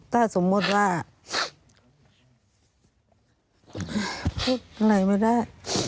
ถ้าสมมติว่าลูกเป็นไรไม่ได้